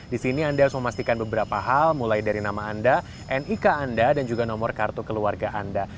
di sini anda harus memastikan beberapa hal mulai dari nama anda nik anda dan juga nomor kartu keluarga anda